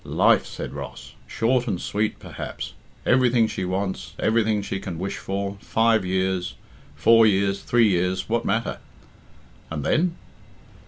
"Life," said Ross. "Short and sweet, perhaps. Everything she wants, everything she can wish for five years, four years, three years what matter?" "And then?"